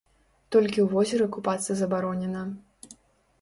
Толькі ў возеры купацца забаронена.